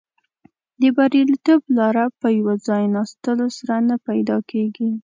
د بریالیتوب لاره په یو ځای ناستلو سره نه پیدا کیږي.